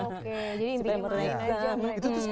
oke jadi intinya merenangin aja mbak